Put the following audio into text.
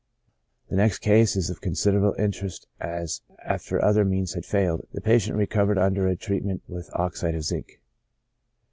The next case is of considerable interest, as, after other means had failed, the patient recovered under a treatment with oxide of zinc.